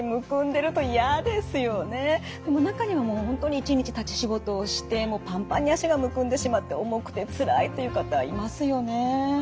でも中にはもう本当に一日立ち仕事をしてもうパンパンに脚がむくんでしまって重くてつらいという方いますよね。